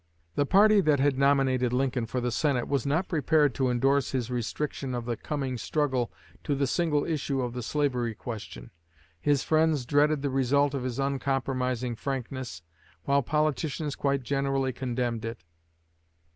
The party that had nominated Lincoln for the Senate was not prepared to endorse his restriction of the coming struggle to the single issue of the slavery question. His friends dreaded the result of his uncompromising frankness, while politicians quite generally condemned it.